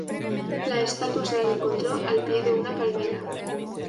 La estatua se encontró al pie de una palmera.